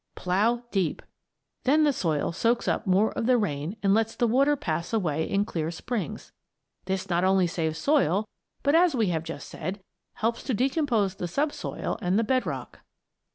Plough deep. Then the soil soaks up more of the rain and lets the water pass away in clear springs. This not only saves soil but, as we have just said, helps to decompose the subsoil and the bed rock.